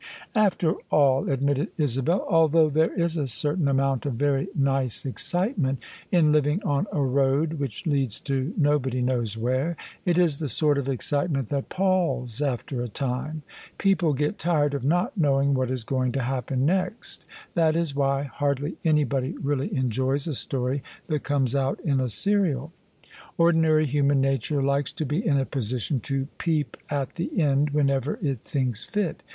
" After all," admitted Isabel, " althou^ there is a cer tain amount of very nice excitement in living on a road which leads to nobody knows where, it is the sort of excite ment that palls after a time. People get tired of not know ing what is going to happen next. That is why hardly anybody really enjoys a story that comes out in a serial: ordinary himian nature likes to be in a position to peep at the end whenever it thinks fit.